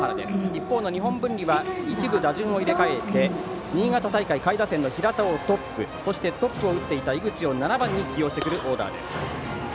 日本文理は一部打順を入れ替えて新潟大会下位打線の平田をトップトップを打っていた井口を７番に起用しているオーダーです。